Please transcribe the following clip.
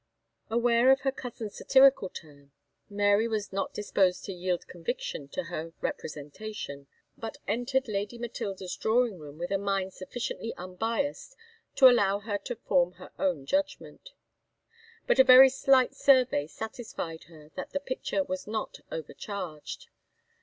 Aware of her cousin's satirical turn, Mary was not disposed to yield conviction to her representation, but entered Lady Matilda's drawing room with a mind sufficiently unbiassed to allow her to form her own judgment; but a very slight survey satisfied her that the picture was not overcharged.